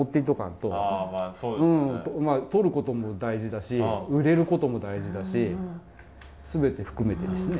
とることも大事だし売れることも大事だし全て含めてですね。